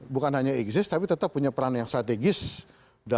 bukan hanya eksis tapi tetap punya peran yang strategis